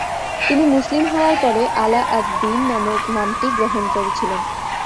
তিনি মুসলিম হওয়ার পরে আলা-আদ-দ্বীন নামটি গ্রহণ করেছিলেন।